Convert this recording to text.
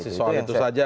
masih soal itu saja